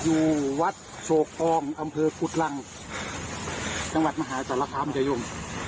อยู่วัดโชคองอำเภอฟุตรังจังหวัดมหาศาลภามัญญาโยม